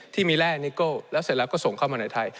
ที่มีแร่นิโก้แล้วเสร็จแล้วก็ส่งเข้ามาในไทย